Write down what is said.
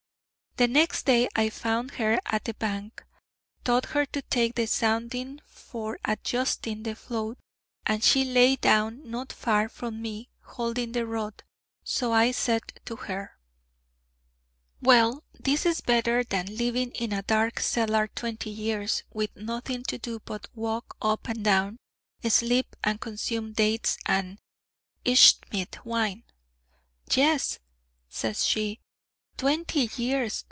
The next day I found her at the bank, taught her to take the sounding for adjusting the float, and she lay down not far from me, holding the rod. So I said to her: 'Well, this is better than living in a dark cellar twenty years, with nothing to do but walk up and down, sleep, and consume dates and Ismidt wine.' 'Yes!' says she. 'Twenty years!'